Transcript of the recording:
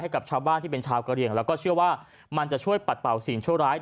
กับชาวบ้านที่เป็นชาวกะเรียงแล้วก็เชื่อว่ามันจะช่วยปัดเป่าสิ่งชั่วร้าย